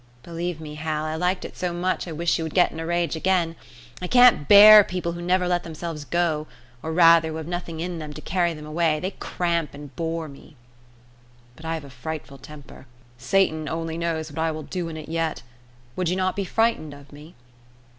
"Believe me, Hal, I liked it so much I wish you would get in a rage again. I can't bear people who never let themselves go, or rather, who have nothing in them to carry them away they cramp and bore me." "But I have a frightful temper. Satan only knows what I will do in it yet. Would you not be frightened of me?"